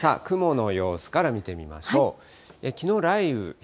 さあ、雲の様子から見てみましょう。